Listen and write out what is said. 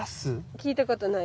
聞いたことない？